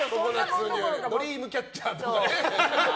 ドリームキャッチャーとかね。